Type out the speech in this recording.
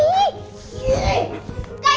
resip banget sih